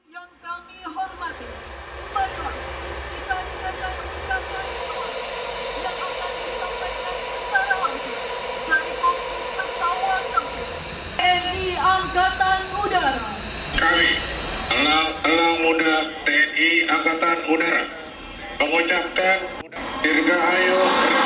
yang kami hormati umatlah kita dengar dan ucapkan suatu yang akan disampaikan secara langsung dari komun pesawat tempur